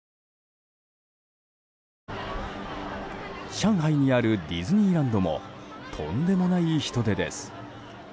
上海にあるディズニーランドもとんでもない人出です。